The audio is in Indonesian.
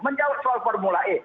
menjawab soal formula e